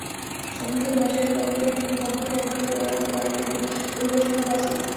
স্বপ্ন থেকে মাসে কমপক্ষে একবার কেনাকাটা করেন, এমন পরিবারের সংখ্যা পাঁচ লাখ।